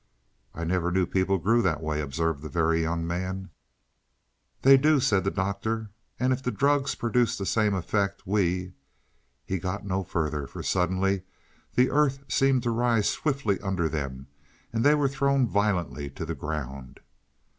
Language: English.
"I never knew people grew that way," observed the Very Young Man. "They do," said the Doctor. "And if these drugs produce the same effect we " He got no further, for suddenly the earth seemed to rise swiftly under them, and they were thrown violently to the ground.